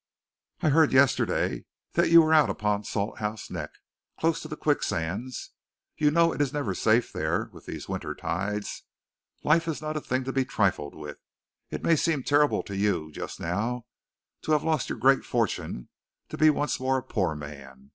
I heard yesterday that you were out upon Salthouse Neck, close to the quicksands. You know it is never safe there, with these winter tides. Life is not a thing to be trifled with. It may seem terrible to you just now to have lost your great fortune, to be once more a poor man.